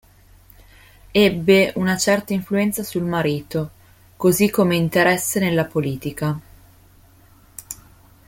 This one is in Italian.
Ebbe una certa influenza sul marito, così come interesse nella politica.